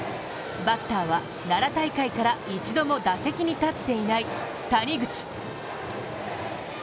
バッターは奈良大会から一度も打席に立っていない谷口。